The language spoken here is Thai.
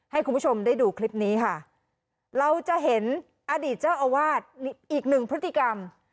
ให้คุณผู้ชมได้ดูคลิปนี้ค่ะเราจะเห็นอดีตเจ้าอาวาสอีกหนึ่งพฤติกรรม